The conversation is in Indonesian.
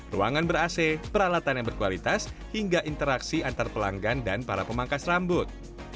ruangan ber ac peralatan yang berkualitas hingga interaksi antar pelanggan dan para pemangkas rambut